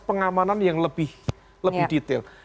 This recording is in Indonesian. pengamanan yang lebih detail